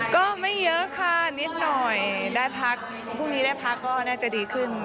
ก็ไม่เยอะค่ะนิดหน่อยได้พักพรุ่งนี้ได้พักก็น่าจะดีขึ้น